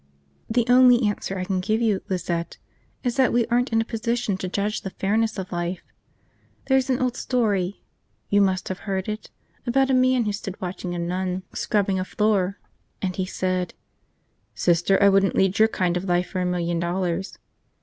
"The only answer I can give you, Lizette, is that we aren't in a position to judge the fairness of life. There's an old story, you must have heard it, about a man who stood watching a nun scrubbing a floor, and he said, 'Sister, I wouldn't lead your kind of life for a million dollars.'